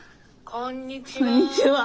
こんにちは。